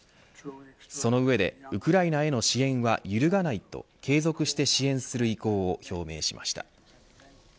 その上でウクライナへの支援は揺るがないと継続して支援する意向を表明しました。